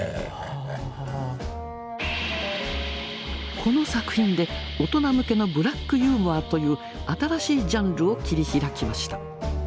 この作品で大人向けのブラックユーモアという新しいジャンルを切り開きました。